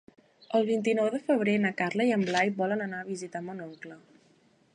El vint-i-nou de febrer na Carla i en Blai volen anar a visitar mon oncle.